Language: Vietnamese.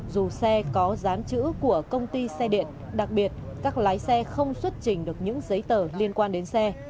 dù xe có dán chữ của công ty xe điện đặc biệt các lái xe không xuất trình được những giấy tờ liên quan đến xe